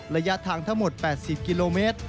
ระยะทางทั้งหมด๘๐กิโลเมตร